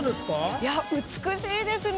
いや美しいですね。